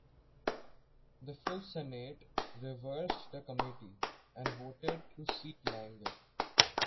The full Senate reversed the committee, and voted to seat Langer.